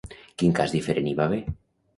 Quin cas diferent hi va haver?